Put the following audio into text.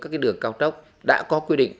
các đường cao tốc đã có quy định